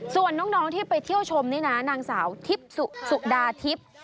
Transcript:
ส่วนน้องที่ไปเที่ยวชมนี่นะนางสาวทิพย์สุดาทิพย์